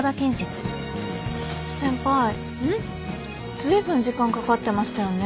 ずいぶん時間かかってましたよね